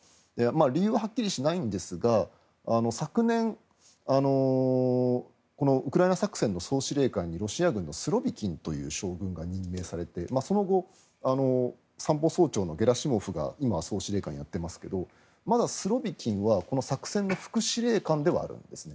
理由ははっきりしないんですが昨年、ウクライナ作戦の総司令官にロシア軍のスロビキンという将軍が任命されてその後、参謀総長のゲラシモフが今は総司令官をやっていますがまだスロビキンは作戦の副司令官ではあるんですね。